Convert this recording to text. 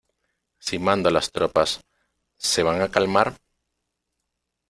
Si mando a las tropas, ¿ se van a calmar?